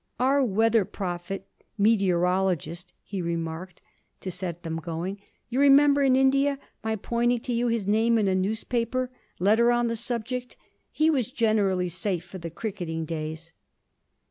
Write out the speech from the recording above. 'Our weather prophet, meteorologist,' he remarked, to set them going; 'you remember, in India, my pointing to you his name in a newspaper letter on the subject. He was generally safe for the cricketing days.'